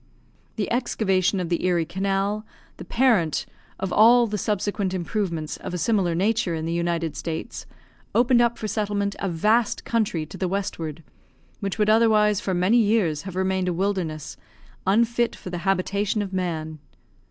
The excavation of the Erie Canal, the parent of all the subsequent improvements of a similar nature in the United States, opened up for settlement a vast country to the westward, which would otherwise for many years have remained a wilderness, unfit for the habitation of man.